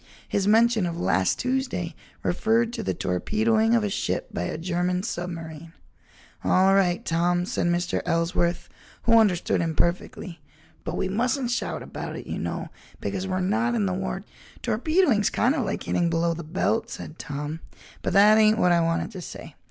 His mention of "last Tuesday" referred to the torpedoing of a ship by a German submarine. "All right, Tom," said Mr. Ellsworth, who understood him perfectly, "but we mustn't shout about it, you know, because we're not in the war—" "Torpedoing's kind of like hitting below the belt," said Tom, "but that ain't what I wanted to say.